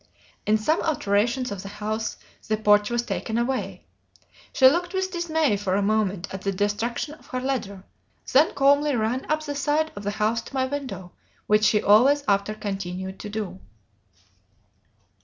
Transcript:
In some alterations of the house, the porch was taken away. She looked with dismay for a moment at the destruction of her ladder, then calmly ran up the side of the house to my window, which she always after continued to do.